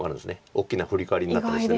大きなフリカワリになったとして。